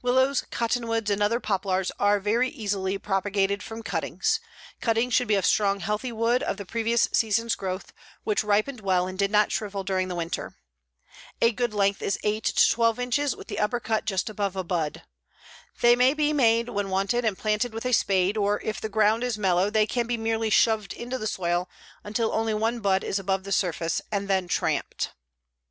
Willows, cottonwoods and other poplars are very easily propagated from cuttings. Cuttings should be of strong, healthy wood of the previous season's growth which ripened well and did not shrivel during the winter. A good length is 8 to 12 inches, with the upper cut just above a bud. They may be made when wanted and planted with a spade, or if the ground is mellow they can be merely shoved into the soil until only one bud is above the surface and then tramped.